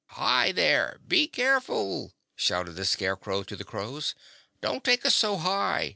"Hi, there be careful!" shouted the Scarecrow to the crows. "Don't take us so high.